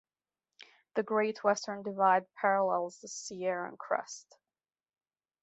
The Great Western Divide parallels the Sierran crest.